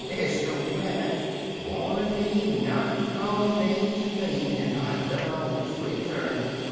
dar's yo' mammy wamin' me not ter call names in vain, an' I dunner which way ter turn.